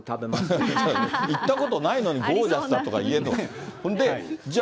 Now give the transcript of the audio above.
行ったことないのに、ゴージャスだとか言えるの？